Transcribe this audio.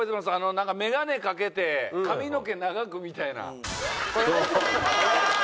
なんか眼鏡かけて髪の毛長くみたいな。